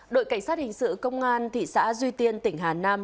đội cảnh sát hình sự công an thị xã duy tiên tỉnh hà nam